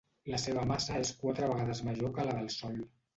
La seva massa és quatre vegades major que la del Sol.